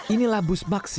inilah bus maksi